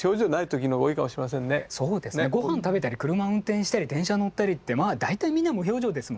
ご飯食べたり車運転したり電車乗ったりって大体みんな無表情ですもんね。